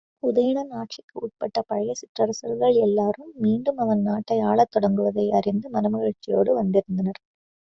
உதயணன் ஆட்சிக்கு உட்பட்ட பழைய சிற்றரசர்கள் எல்லாரும், மீண்டும் அவன் நாட்டை ஆளத் தொடங்குவதை அறிந்து மனமகிழ்ச்சியோடு வந்திருந்தனர்.